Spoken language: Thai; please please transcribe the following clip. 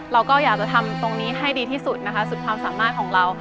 เราก็อยากจะทำตรงนี้ให้ดีที่สุดนะคะสุดความสามารถของเรา